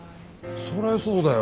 そりゃそうだよ。